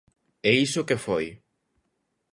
¿E iso que foi?